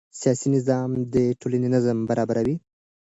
سیاسي نظام د ټولنې نظم برابروي